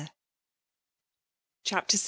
o3 CHAPTER VI.